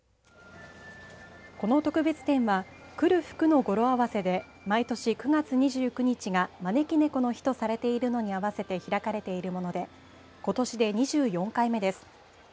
この特別展は来る福の語呂合わせで毎年９月２９日が招き猫の日とされているのに合わせて開かれているものでことしで２４回目です。